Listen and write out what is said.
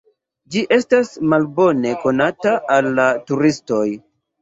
Ĝi estas malbone konata al la turistoj.